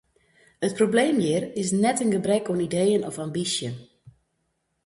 It probleem hjir is net in gebrek oan ideeën of ambysje.